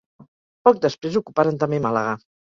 Poc després ocuparen també Màlaga.